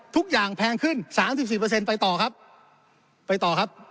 ทุกอย่างแพงขึ้น๓๔ไปต่อครับไปต่อครับ